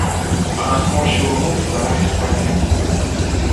Она сморщила лоб, стараясь понять.